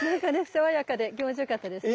爽やかで気持ち良かったですね。